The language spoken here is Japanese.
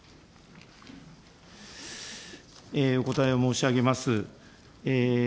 お答えを申し上げます。